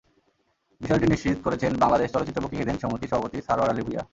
বিষয়টি নিশ্চিত করেছেন বাংলাদেশ চলচ্চিত্র বুকিং এজেন্ট সমিতির সভাপতি সারোয়ার আলী ভূঁইয়া।